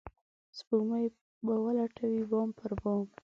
سپوږمۍ به ولټوي بام پر بام